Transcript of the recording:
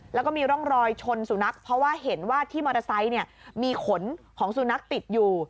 แล้วก็มีร่องรอยชนสุนัขเพราะว่าเห็นว่าที่มอเตอร์ไซค์มีขนของสุนัขติดอยู่